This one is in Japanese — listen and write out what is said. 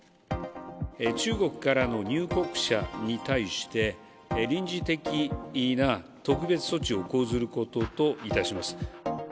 中国からの入国者に対して、臨時的な特別措置を講ずることといたします。